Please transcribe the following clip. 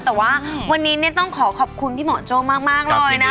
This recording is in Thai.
แต่ว่าวันนี้ต้องขอขอบคุณพี่หมอโจ้มากเลยนะ